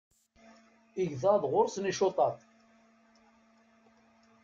Igḍaḍ ɣur-sen icuṭaṭ.